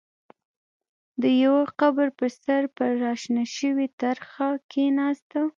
د يوه قبر پر سر پر را شنه شوې ترخه کېناسته.